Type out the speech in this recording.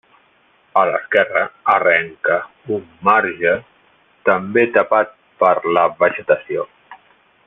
A l'esquerra arrenca un marge també tapat per la vegetació.